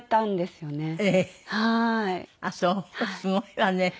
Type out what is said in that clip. すごいわね。